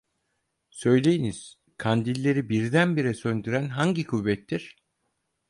Söyleyiniz, kandilleri birdenbire söndüren hangi kuvvettir?